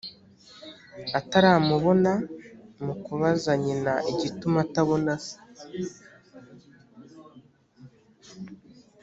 ataramubona mu kubaza nyina igituma atabona se